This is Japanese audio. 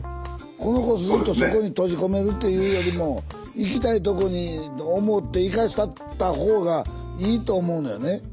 この子ずっとそこに閉じ込めるっていうよりも行きたいとこにと思って行かしたった方がいいと思うのよね。